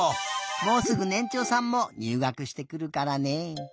もうすぐねんちょうさんもにゅうがくしてくるからね。